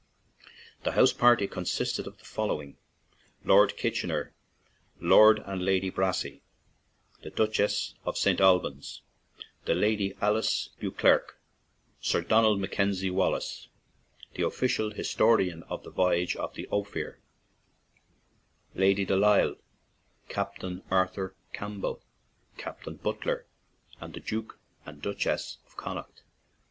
The house party consisted of the following : Lord Kitchener, Lord and Lady Brassey, the Duch ess of St. Albans and Lady Alice Beauclerk, Sir Donald Mackenzie Wallace, the official historian of the voyage of the Ophir; Lady de l'lsle, Captain Arthur Campbell, Captain Butler, and the Duke and Duchess of Connaught.